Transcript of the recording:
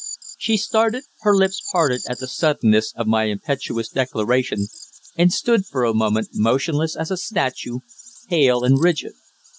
She started, her lips parted at the suddenness of my impetuous declaration, and stood for a moment, motionless as a statue, pale and rigid.